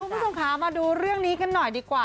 คุณผู้ชมค่ะมาดูเรื่องนี้กันหน่อยดีกว่า